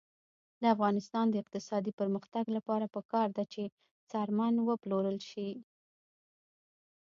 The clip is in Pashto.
د افغانستان د اقتصادي پرمختګ لپاره پکار ده چې څرمن وپلورل شي.